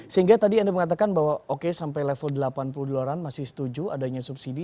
sehingga tadi anda mengatakan bahwa oke sampai level delapan puluh dolaran masih setuju adanya subsidi